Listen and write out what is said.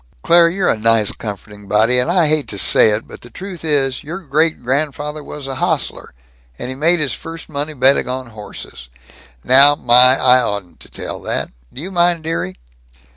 Claire, you're a nice comforting body, and I hate to say it, but the truth is, your great grandfather was an hostler, and made his first money betting on horses. Now, my, I oughtn't to tell that. Do you mind, dearie?"